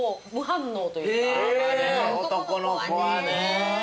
男の子はね。